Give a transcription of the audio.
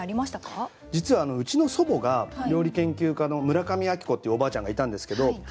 実はうちの祖母が料理研究家の村上昭子っていうおばあちゃんがいたんですけど。